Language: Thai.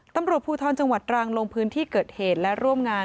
ตำรวจภูทรจังหวัดตรังลงพื้นที่เกิดเหตุและร่วมงาน